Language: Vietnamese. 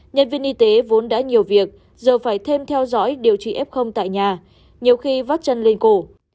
nhân viên y tế vốn đã nhiều việc giờ phải thêm theo dõi điều trị f tại nhà nhiều khi vắt chân lên cổ